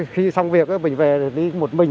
khi xong việc mình về đi một mình